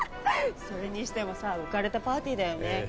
それにしてもさ浮かれたパーティーだよね。